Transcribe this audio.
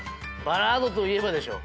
バラードといえばでしょ。